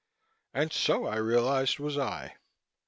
And so, I realized, was I.